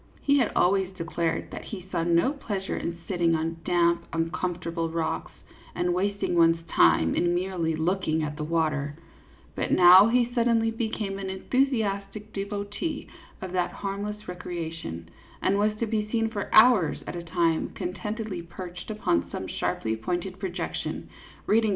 He had always declared that he saw no pleasure in sitting on damp, uncomfortable rocks, and wasting one's time in merely looking at the water ; but now he suddenly became an enthusi astic devotee to that harmless recreation, and was to be seen for hours at a time contentedly perched upon some sharply pointed projection, reading CLYDE MOORFIELD, YACHTSMAN.